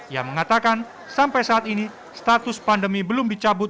yang mengatakan sampai saat ini status pandemi belum dicabut